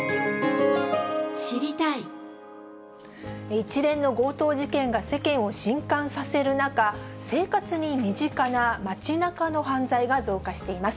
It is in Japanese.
一連の強盗事件が世間をしんかんさせる中、生活に身近な街なかの犯罪が増加しています。